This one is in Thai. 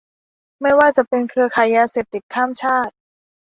ไม่ว่าจะเป็นเครือข่ายยาเสพติดข้ามชาติ